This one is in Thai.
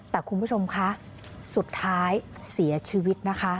แต่คุณผู้ชมคะสุดท้ายเสียชีวิตนะคะ